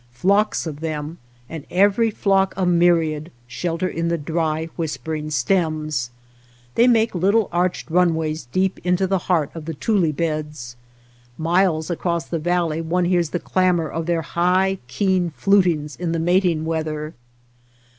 Flocks of them, and every flock a myriad, shelter in the dry, whispering stems. They make little arched runways deep into the heart of the tule beds. Miles across the valley one hears the clamor of their high, keen flutings in the mating weather.